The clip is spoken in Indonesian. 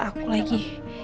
ya aku lagi